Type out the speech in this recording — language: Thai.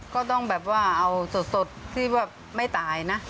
ก็ต้องแบบว่าเอาสดที่ว่าไม่ตายนะ